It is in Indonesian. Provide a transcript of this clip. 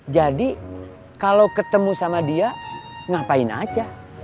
jadi kalau ketemu sama dia ngapain aja